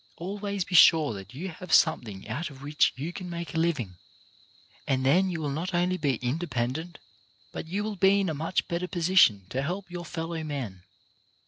Always be sure that you have something out of which you can make a living, and then you will not only be independent, but you will be in a much better position to help your fellow men.